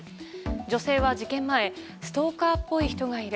女性は事件前ストーカーっぽい人がいる。